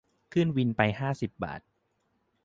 ขึ้นวินไปห้าสิบบาท